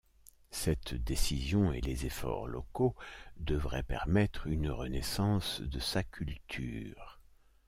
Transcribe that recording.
Cette décision et les efforts locaux devraient permettre une renaissance de sa culture.